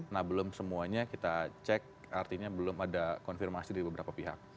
nah belum semuanya kita cek artinya belum ada konfirmasi dari beberapa pihak